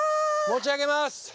持ち上げます！